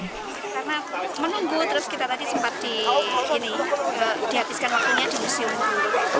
karena menunggu terus kita tadi sempat dihabiskan waktunya di museum